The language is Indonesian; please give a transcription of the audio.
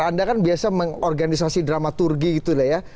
anda kan biasa mengorganisasi dramaturgy gitu ya